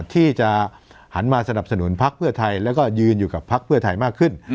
ที่จะหันมาสนับสนุนพักเพื่อไทยแล้วก็ยืนอยู่กับพักเพื่อไทยมากขึ้น